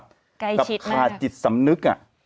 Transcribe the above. ใกล้ชิดมากครับค่ะค่าจิตสำนึก